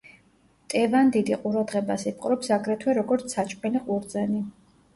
მტევანდიდი ყურადღებას იპყრობს აგრეთვე, როგორც საჭმელი ყურძენი.